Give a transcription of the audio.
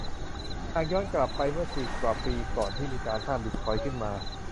หากย้อนกลับไปเมื่อสิบกว่าปีก่อนที่มีการสร้างบิตคอยน์ขึ้นมา